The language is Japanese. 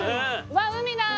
わっ海だ！